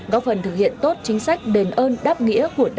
góp phần thực hiện tốt chính sách đền ơn đáp nghĩa của đảng nhà nước ta